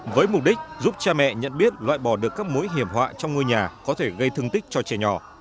với mục đích giúp cha mẹ nhận biết loại bỏ được các mối hiểm họa trong ngôi nhà có thể gây thương tích cho trẻ nhỏ